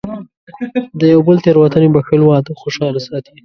د یو بل تېروتنې بښل، واده خوشحاله ساتي.